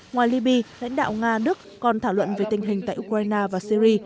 ngoài liby lãnh đạo nga đức còn thảo luận về tình hình tại ukraine và syri